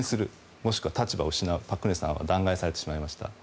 もしくは立場を失う朴槿惠さんは弾劾されてしまいました。